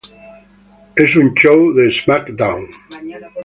En un show de SmackDown!